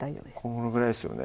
このぐらいですよね